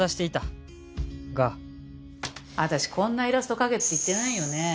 私こんなイラスト描けって言ってないよね？